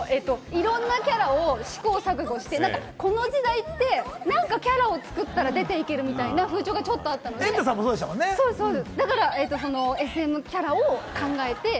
いろんなキャラを試行錯誤して、この時代って、なんかキャラを作ったら出ていけるみたいな風潮があったんで、ＳＭキャラを考えて。